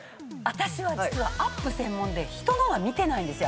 私は実はアップ専門で人のは見てないんですあんまり。